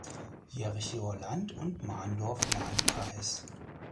Jerichower Land) und Mahndorf (Lkr.